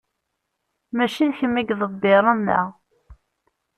Mačči d kemm i iḍebbiren da.